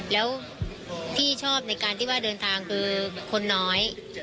แล้วที่ชอบในการที่ว่าเดินทางคือคนน้อย